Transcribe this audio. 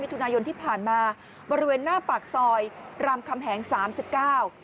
ทุนายนที่ผ่านมาบริเวณหน้าปากซอยรามคำแหงสามสิบเก้า